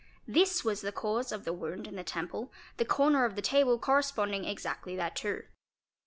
This was _ the cause of the wound in the temple, the corner of' the table correspond ing exactly thereto.